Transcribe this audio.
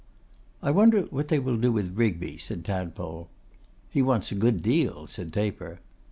'I wonder what they will do with Rigby,' said Tadpole. 'He wants a good deal,' said Taper.